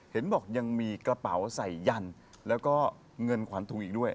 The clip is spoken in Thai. เห็นบอกยังมีกระเป๋าใส่ยันแล้วก็เงินขวานทุงอีกด้วย